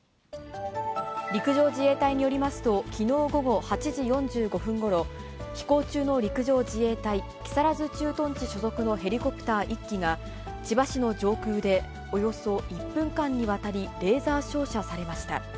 陸上自衛隊によりますと、きのう午後８時４５分ごろ、飛行中の陸上自衛隊木更津駐屯地所属のヘリコプター１機が、千葉市の上空で、およそ１分間にわたりレーザー照射されました。